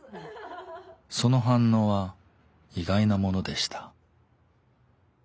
その反応は意外なものでした。